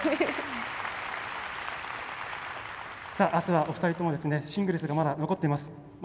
あすは、お二人ともシングルスが、まだ残っています。